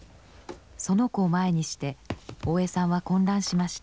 その子を前にして大江さんは混乱しました。